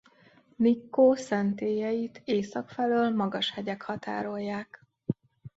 Nikkó szentélyeit észak felől magas hegyek határolják.